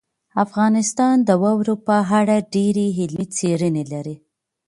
افغانستان د واورو په اړه ډېرې علمي څېړنې لري.